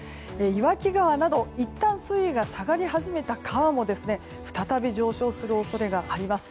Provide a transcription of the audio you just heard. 岩木川などいったん水位が下がり始めた川も再び上昇する恐れがあります。